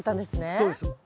そうです。